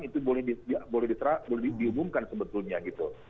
itu boleh diumumkan sebetulnya gitu